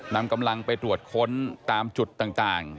นำกำลังไปตรวจค้นตามจุดต่าง